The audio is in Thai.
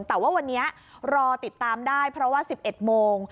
แต่ว่าวันนี้รอติดตามได้เพราะว่า๑๑โมง